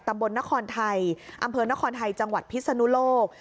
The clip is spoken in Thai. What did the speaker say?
ตำบลนครไทยอำเภอนครไทยจังหวัดพิศนุโลก